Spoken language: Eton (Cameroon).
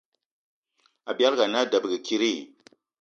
Abialga ana a debege kidi?